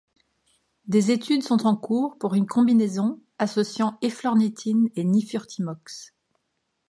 Des études sont en cours pour une combinaison associant éflornithine et nifurtimox.